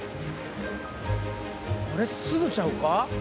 あれすずちゃうか？